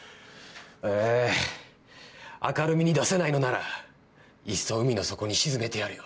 え明るみに出せないのならいっそ海の底に沈めてやるよ。